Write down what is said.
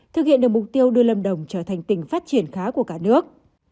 thực hiện được mục tiêu đưa lâm đồng trở thành tỉnh phát triển khá của cả nước